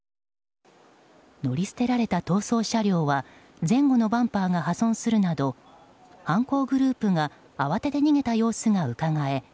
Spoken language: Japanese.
乗り捨てられた逃走車両は前後のバンパーが破損するなど犯行グループが慌てて逃げた様子がうかがえ